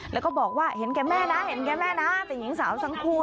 และก็บอกว่าเห็นแก่แม่นะหญิงสาวสักคู่